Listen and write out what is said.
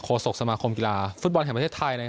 ศกสมาคมกีฬาฟุตบอลแห่งประเทศไทย